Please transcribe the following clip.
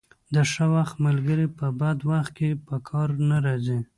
د ښه وخت ملګري په بد وخت کې په کار نه راځي.